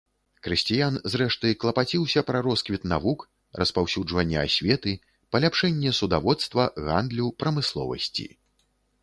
Крысціян, зрэшты, клапаціўся пра росквіт навук, распаўсюджванне асветы, паляпшэнне судаводства, гандлю, прамысловасці.